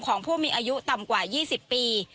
ของผู้มีอายุต่ำกว่า๒๐ปี